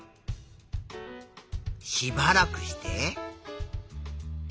しばらくして。